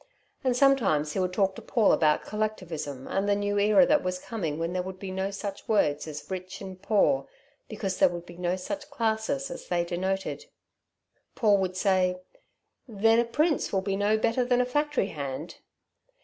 And sometimes he would talk to Paul about collectivism and the new era that was coming when there would be no such words as rich and poor, because there would be no such classes as they denoted. Paul would say: "Then a prince will be no better than a factory hand?"